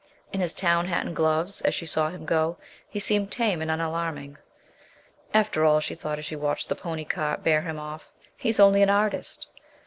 In his town hat and gloves, as she saw him go, he seemed tame and unalarming. "After all," she thought as she watched the pony cart bear him off, "he's only an artist!"